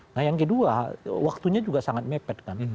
nah yang kedua waktunya juga sangat mepet kan